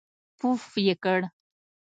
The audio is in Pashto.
پووووووفففف یې کړ.